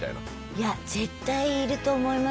いや絶対いると思いますよ。